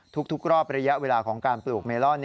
ทุกรอบระยะเวลาของการปลูกเมลอน